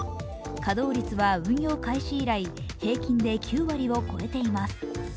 稼働率は運用開始以来、平均で９割を超えています。